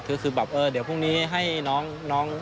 คือแบบเออเดี๋ยวพรุ่งนี้ให้น้อง